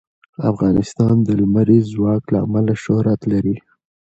افغانستان د لمریز ځواک له امله شهرت لري.